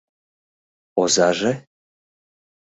Озаже?